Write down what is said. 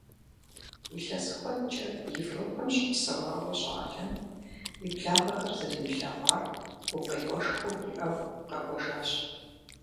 Илъэс куэдкӀэ Европэм щыпсэуа щӏалэм, и благъэхэр зэримылъагъур гукъеуэшхуэу иӀэу, къэкӀуэжащ.